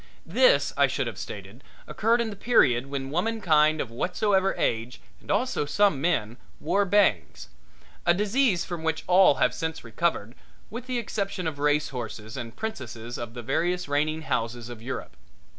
This, I should have stated, occurred in the period when womankind of whatsoever age and also some men wore bangs, a disease from which all have since recovered with the exception of racehorses and princesses of the various reigning houses of Europe.